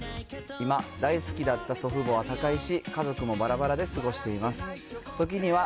今、大好きだった祖父母は他界し、家族もばらばらで過ごしています。